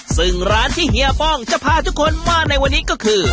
ซึ่งร้านที่เฮียป้องจะพาทุกคนมาในวันนี้ก็คือ